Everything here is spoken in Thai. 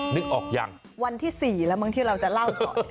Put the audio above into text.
นึกออกยังวันที่๔แล้วมั้งที่เราจะเล่าก่อน